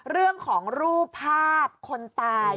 เรื่องของรูปภาพคนตาย